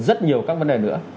rất nhiều các vấn đề nữa